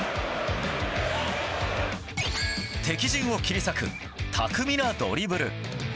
敵陣を切り裂く巧みなドリブル。